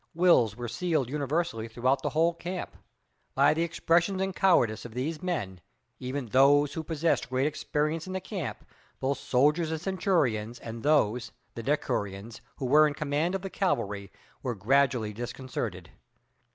Wills were sealed universally throughout the whole camp. By the expressions and cowardice of these men, even those who possessed great experience in the camp, both soldiers and centurions, and those [the decurions] who were in command of the cavalry, were gradually disconcerted.